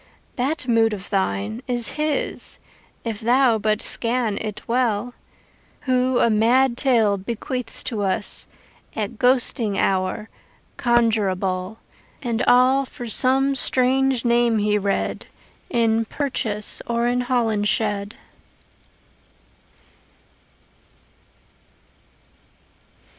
That mood of thine Is his, if thou but scan it well, Who a mad tale bequeaths to us At ghosting hour conjurable And all for some strange name he read In Purchas or in Holinshed.